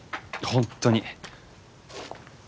本当に。